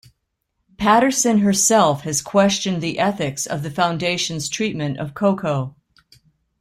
Patterson herself has questioned the ethics of the Foundation's treatment of Koko.